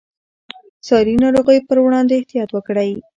د ساري ناروغیو پر وړاندې احتیاط وکړئ.